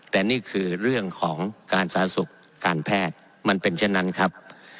แต่นี่คือเรื่องของการสาธารณสุขการแพทย์มันเป็นเช่นนั้นครับ